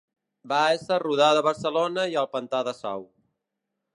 Va ésser rodada a Barcelona i al Pantà de Sau.